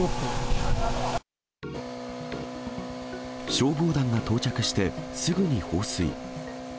消防団が到着してすぐに放水。